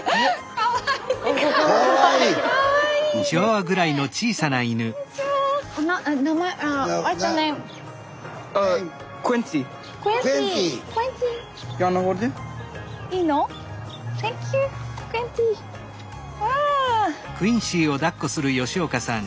かわいいね。